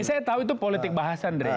saya tahu itu politik bahasa ndre